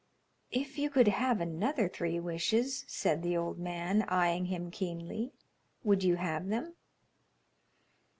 "If you could have another three wishes," said the old man, eyeing him keenly, "would you have them?"